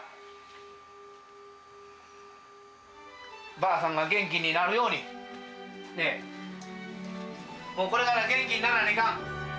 ばあさんが元気になるように、もうこれから元気にならないかん。